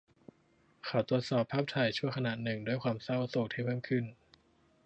เขาตรวจสอบภาพถ่ายชั่วขณะหนึ่งด้วยความเศร้าโศกที่เพิ่มขึ้น